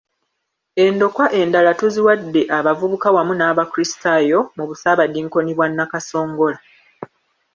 Endokwa endala tuziwadde abavubuka wamu n’Abakrisataayo mu busaabadinkoni bwa Nakasongola.